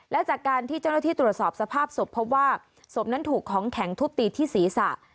และจากการที่เจ้าหน้าที่ตรวจสอบสภาพศพพบว่าศพนั้นถูกของแข็งทุบตีที่ศีรษะ